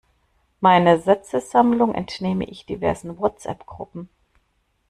Meine Sätzesammlung entnehme ich diversen Whatsappgruppen.